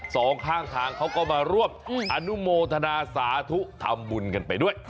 สองข้างทางเขาก็มาร่วมอนุโมทนาสาธุทำบุญกันไปด้วย